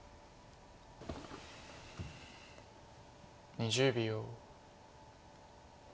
２０秒。